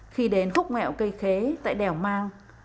khi đến khúc nghẹo cây khế tại đèo mang